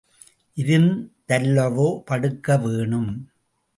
இருந்தல்லவோ படுக்க வேணும்?